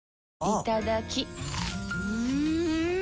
いただきっ！